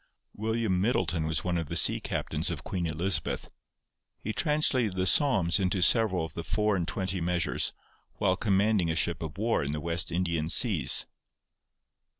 William Middleton was one of the sea captains of Queen Elizabeth; he translated the Psalms into several of the four and twenty measures whilst commanding a ship of war in the West Indian seas.